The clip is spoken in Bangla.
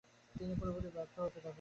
তিনি পুরোপুরি ব্যর্থ হতে থাকেন।